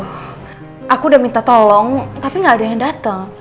aku udah minta tolong tapi gak ada yang datang